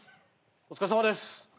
お疲れさまです。